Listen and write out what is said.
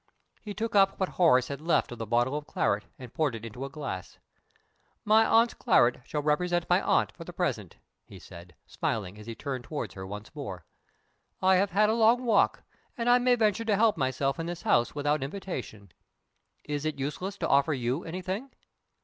He took up what Horace had left of the bottle of claret, and poured it into a glass. "My aunt's claret shall represent my aunt for the present," he said, smiling, as he turned toward her once more. "I have had a long walk, and I may venture to help myself in this house without invitation. Is it useless to offer you anything?"